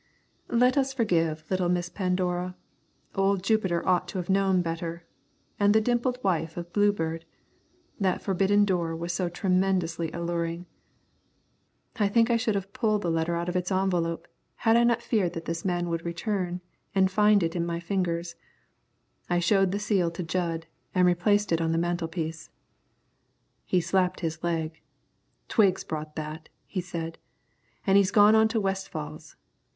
Let us forgive little Miss Pandora. Old Jupiter ought to have known better. And the dimpled wife of Bluebeard! That forbidden door was so tremendously alluring! I think I should have pulled the letter out of its envelope had I not feared that this man would return and find it in my fingers. I showed the seal to Jud and replaced it on the mantelpiece. He slapped his leg. "Twiggs brought that," he said, "an' he's gone on to Westfall's.